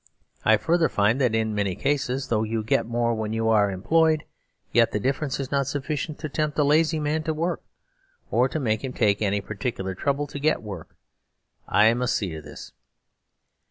I further find that in many cases, though you get more when you are employed, yetthe difference is not sufficient to tempt a lazy man to work, or to make him take any particular trouble to get work. I must see to this."